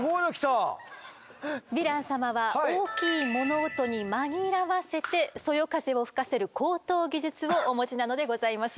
ヴィラン様は大きい物音に紛らわせてそよ風を吹かせる高等技術をお持ちなのでございます。